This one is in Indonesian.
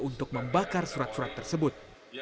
untuk membakar surat surat tersebut